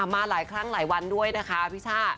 มาหลายครั้งหลายวันด้วยนะคะพี่ช่า